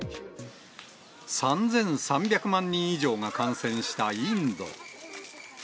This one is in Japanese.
３３００万人以上が感染したインド。